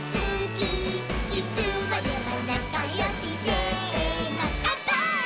「いつまでもなかよしせーのかんぱーい！！」